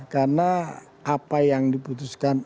karena apa yang diputuskan